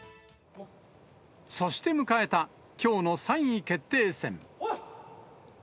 そして迎えたきょうの３位決定戦。